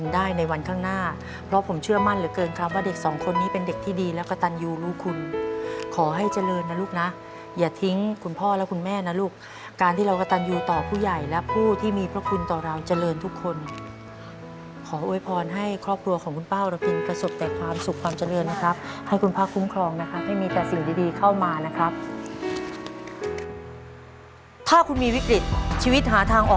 เด็กที่ดีและกระตันยูลูกคุณขอให้เจริญนะลูกนะอย่าทิ้งคุณพ่อและคุณแม่นะลูกการที่เรากระตันยูต่อผู้ใหญ่และผู้ที่มีพระคุณต่อเราเจริญทุกคนขออวยพรให้ครอบครัวของคุณป้าอรพินกระสบแต่ความสุขความเจริญนะครับให้คุณพ่าคุ้มครองนะครับให้มีแต่สิ่งดีเข้ามานะครับถ้าคุณมีวิกฤตชีวิตหาทางอ